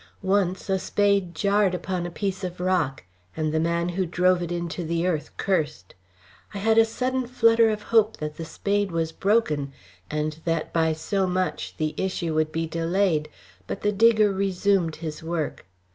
Once a spade jarred upon a piece of rock, and the man who drove it into the earth cursed. I had a sudden flutter of hope that the spade was broken, and that by so much the issue would be delayed, but the digger resumed his work.